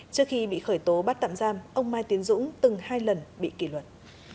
trước khi bị khởi tố bắt tạm giam ông mai tiến dũng từng hai lần bị kỷ luật